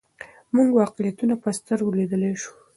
موږ واقعیتونه په سترګو لیدلای سو.